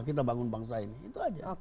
kita bangun bangsa ini itu aja